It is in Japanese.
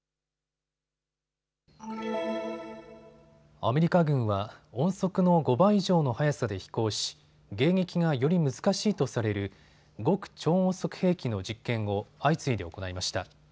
アメリカ軍は音速の５倍以上の速さで飛行し迎撃がより難しいとされる極超音速兵器の実験を相次いで行いました。